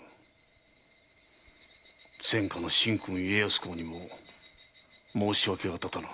泉下の神君・家康公にも申し訳が立たぬ。